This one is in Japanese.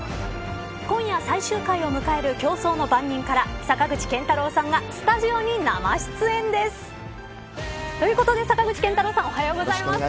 今夜、最終回を迎える競争の番人から坂口健太郎さんがスタジオに生出演です。ということで坂口健太郎さんおはようございます。